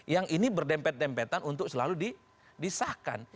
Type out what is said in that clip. yang ini berdempet dempetan untuk selalu disahkan